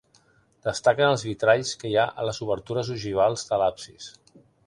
Destaquen els vitralls que hi ha a les obertures ogivals de l'absis.